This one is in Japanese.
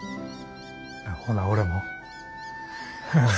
ほな俺も。